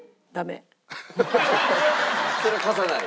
それは貸さない？